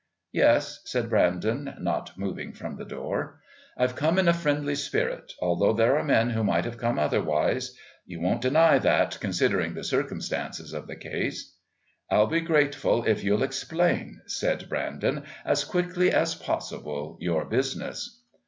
"Yes?" said Brandon, not moving from the door. "I've come in a friendly spirit, although there are men who might have come otherwise. You won't deny that, considering the circumstances of the case." "I'll be grateful to you if you'll explain," said Brandon, "as quickly as possibly your business."